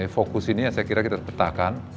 fokus ini yang saya kira kita petakan